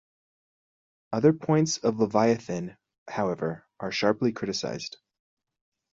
Other points of "Leviathan", however, are sharply criticised.